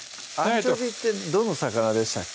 アンチョビーってどの魚でしたっけ？